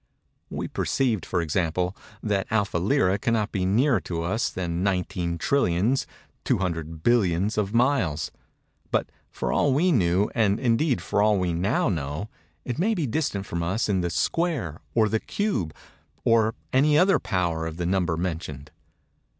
We perceived, for example, that Alpha Lyræ cannot be nearer to us than 19 trillions, 200 billions of miles; but, for all we knew, and indeed for all we now know, it may be distant from us the square, or the cube, or any other power of the number mentioned.